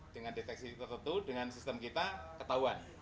dengan deteksi tertentu dengan sistem kita ketahuan